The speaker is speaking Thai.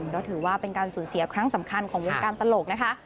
ก็ถือว่าเป็นการสูญเสียครั้งสำคัญของวงการตลกนะคะ